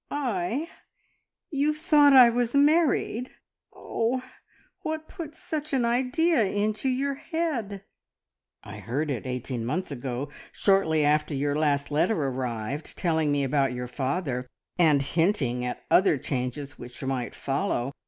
"I? You thought I was married! Oh, what put such an idea into your head?" "I heard it eighteen months ago shortly after your last letter arrived, telling me about your father, and hinting at other changes which might follow.